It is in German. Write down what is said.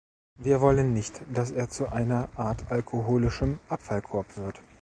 Wir wollen nicht, dass er zu einer Art alkoholischem Abfallkorb wird.